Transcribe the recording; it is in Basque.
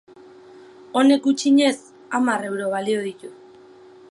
Honek, gutxienez, hamar euro balio du.